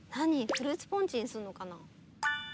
フルーツポンチにするのかな？